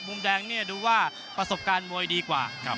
มุมแดงเนี่ยดูว่าประสบการณ์มวยดีกว่า